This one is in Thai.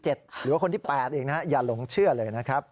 หรือว่าคนที่๘อีกนะฮะอย่าหลงเชื่อเลยนะครับ